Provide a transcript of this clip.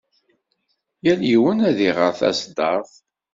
Yal yiwen ad d-iɣer taṣeddart.